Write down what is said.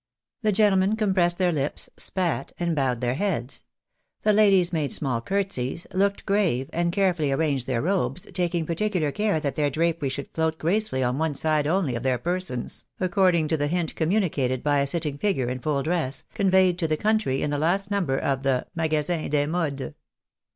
The gentlemen compressed their lips, spat and bowed their heads. The ladies made small courtesies, looked grave, and care fully arranged their robes, taking particular care that their drapery should float gracefully on one side only of their persons, according to the hint communicated by a sitting figure in full dress, con veyed to the country in the last number of tha Magasin des Modes.